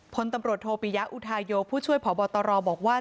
พลตำรวจโทปิยะอุทาโยผู้ช่วยพบตรบอกว่า